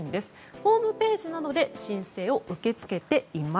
ホームページなどで申請を受け付けています。